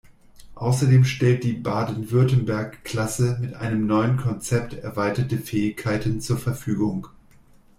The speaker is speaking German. Außerdem stellt die "Baden-Württemberg"-Klasse mit einem neuen Konzept erweiterte Fähigkeiten zur Verfügung.